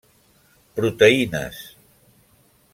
Proteïnes: